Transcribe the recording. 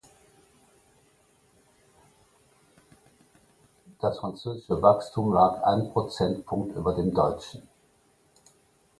Das französische Wachstum lag ein Prozentpunkt über dem Deutschen.